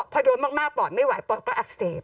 พอโดนมากปอดไม่ไหวปอดก็อักเสบ